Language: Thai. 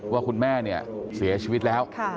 ว่าคุณแม่เนี่ยเสียชีวิตแล้ว